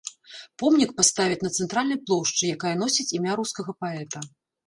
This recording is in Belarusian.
Помнік паставяць на цэнтральнай плошчы, якая носіць імя рускага паэта.